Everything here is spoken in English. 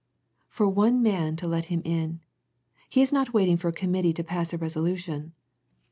For one man to let Him in. He is not waiting for a committee to pass a resolution.